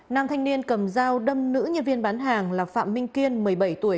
nam thanh niên cầm dao đâm nữ nhân viên bán hàng là phạm minh kiên một mươi bảy tuổi